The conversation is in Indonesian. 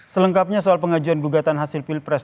selengkapnya soal pengajuan gugatan hasil pilpres